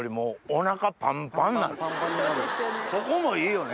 そこもいいよね。